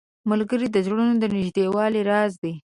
ملګری د زړونو د نږدېوالي راز دی